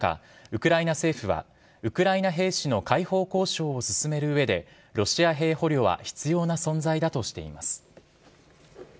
ウクライナ政府はウクライナ兵士の解放交渉を進める上でロシア兵捕虜は必要な存在だとしています。